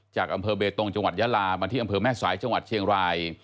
จากอำเภอเบตงจังหวัดยาลามาที่อำเภอแม่สายจังหวัดเชียงราย